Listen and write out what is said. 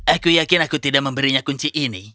aku yakin aku tidak memberinya kunci ini